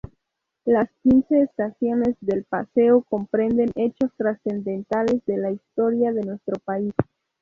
Las quince estaciones del Paseo comprenden hechos trascendentales de la historia de nuestro país.